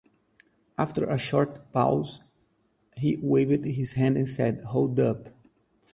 After a short pause, he waved his hand and said, "Hold up."